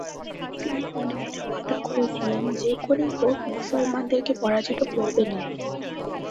তিনি মনে মনে ওয়াদা করেছিলেন, যে করেই হউক মুসলমানদেরকে পরাজিত করবেনই।